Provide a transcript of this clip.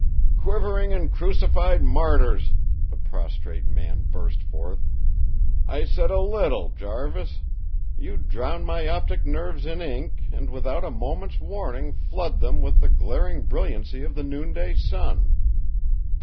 "Quivering and crucified martyrs!" the prostrate man burst forth. "I said a little, Jarvis! You drown my optic nerves in ink and, without a moment's warning, flood them with the glaring brilliancy of the noonday sun!"